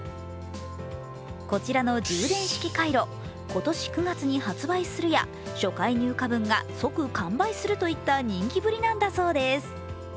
こちらの充電式カイロ、今年９月に発売するや初回入荷分が即完売するといった人気ぶりなんだそうです。